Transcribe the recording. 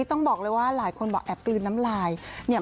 ต้องบอกเลยว่าหลายคนบอกแอบกลืนน้ำลายเนี่ย